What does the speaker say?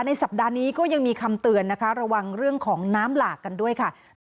สัปดาห์นี้ก็ยังมีคำเตือนนะคะระวังเรื่องของน้ำหลากกันด้วยค่ะ